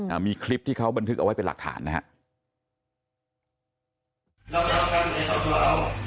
อ่ามีคลิปที่เขาบันทึกเอาไว้เป็นหลักฐานนะฮะ